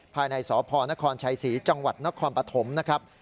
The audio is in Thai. ภายในสพนครชัยศรีจังหวัดนครปฐมนะครับ